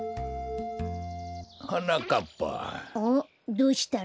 どうしたの？